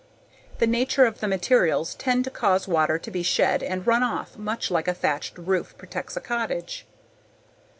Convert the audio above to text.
The nature of the materials tends to cause water to be shed and run off much like a thatched roof protects a cottage.